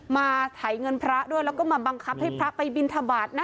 ไถเงินพระด้วยแล้วก็มาบังคับให้พระไปบินทบาทนะ